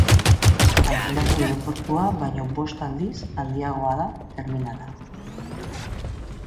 Antzinako aireportua baino bost aldiz handiagoa da terminala.